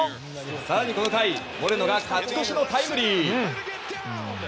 更に、この回モレノが勝ち越しのタイムリー。